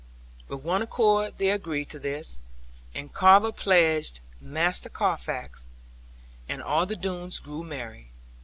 With one accord they agreed to this, and Carver pledged Master Carfax, and all the Doones grew merry.